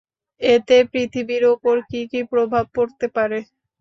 এতে পৃথিবীর উপর কী কী প্রভাব পড়তে পারে?